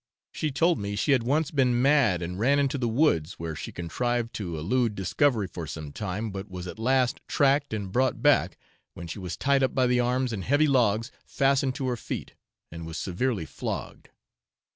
She told me she had once been mad and ran into the woods, where she contrived to elude discovery for some time, but was at last tracked and brought back, when she was tied up by the arms and heavy logs fastened to her feet, and was severely flogged.